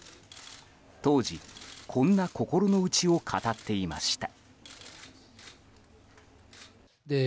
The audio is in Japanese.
当時、こんな心の内を語っていました。